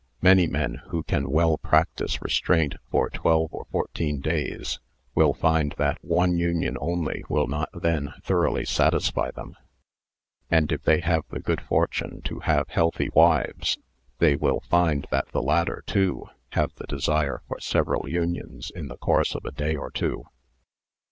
Many men, who can well practise restraint for twelve or fourteen days, will find that one union only will not then thoroughly satisfy them; and if they have the good fortune to have healthy wives, they will find that the latter, too, have the desire for several unions in the course of a day or two.